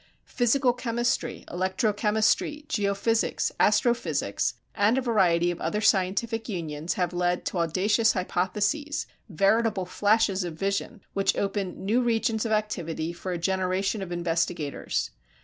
Physical chemistry, electro chemistry, geo physics, astro physics, and a variety of other scientic unions have led to audacious hypotheses, veritable flashes of vision, which open new regions of activity for a generation of investigators.